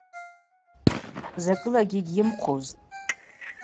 Закӏылагьи йыгьйымхъвузтӏ.